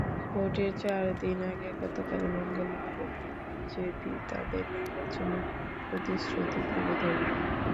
ভোটের চার দিন আগে গতকাল মঙ্গলবার বিজেপি তাদের নির্বাচনী প্রতিশ্রুতি তুলে ধরল।